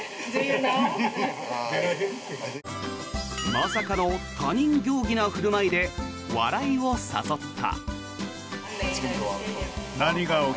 まさかの他人行儀な振る舞いで笑いを誘った。